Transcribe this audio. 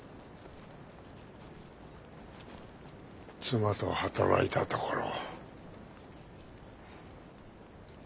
妻と働いたところ。